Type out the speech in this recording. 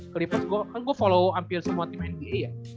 clippers kan gua follow hampir semua tim nba ya